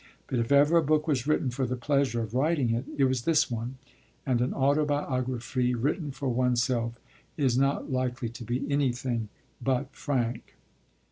But if ever a book was written for the pleasure of writing it, it was this one; and an autobiography written for oneself is not likely to be anything but frank.